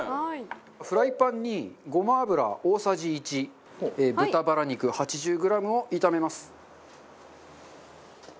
フライパンに、ごま油、大さじ１豚バラ肉、８０ｇを炒めます。